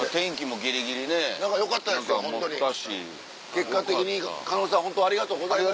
結果的に狩野さんホントありがとうございました。